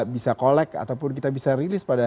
bisa collect ataupun kita bisa rilis pada